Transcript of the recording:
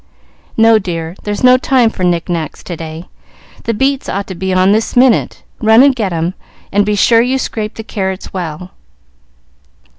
"No, dear; there's no time for knick knacks to day. The beets ought to be on this minute. Run and get 'em, and be sure you scrape the carrots well."